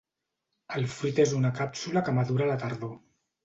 El fruit és una càpsula que madura a la tardor.